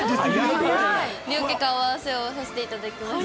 両家顔合わせをさせていただきました。